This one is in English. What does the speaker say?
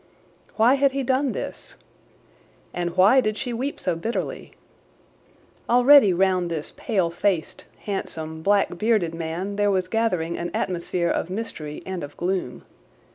Why had he done this? And why did she weep so bitterly? Already round this pale faced, handsome, black bearded man there was gathering an atmosphere of mystery and of gloom.